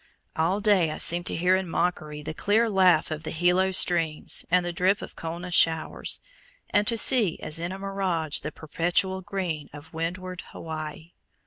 All day I seemed to hear in mockery the clear laugh of the Hilo streams, and the drip of Kona showers, and to see as in a mirage the perpetual Green of windward Hawaii.